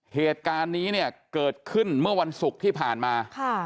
เหตุการณ์นี้เนี่ยเกิดขึ้นเมื่อวันศุกร์ที่ผ่านมา